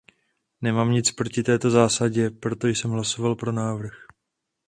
Nemám nic proti této zásadě, proto jsem hlasoval pro návrh.